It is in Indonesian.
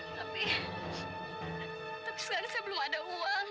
tapi tapi sekarang saya belum ada uang